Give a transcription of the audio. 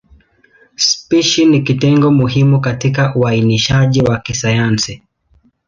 Spishi ni kitengo muhimu katika uainishaji wa kisayansi.